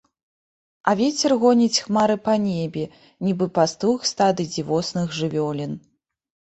А вецер гоніць хмары па небе, нібы пастух стады дзівосных жывёлін.